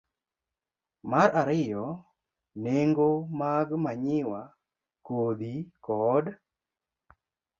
Mar ariyo, nengo mag manyiwa, kodhi, kod